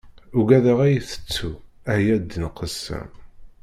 Ugadeɣ ad yi-tettu, ah ya ddin qessam!